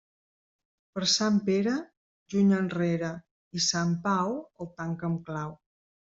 Per Sant Pere, juny enrere, i Sant Pau el tanca amb clau.